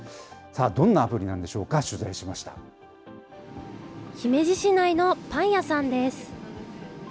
どんなアプリなんでしょうか、取姫路市内のパン屋さんです。